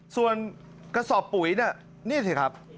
ส่วนกระสอบปุ๋ยเนี่ยนี่สิครับ